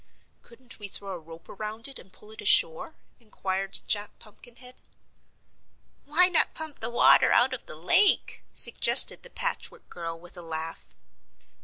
"Couldn't we throw a rope around it and pull it ashore?" inquired Jack Pumpkinhead. "Why not pump the water out of the lake?" suggested the Patchwork Girl with a laugh.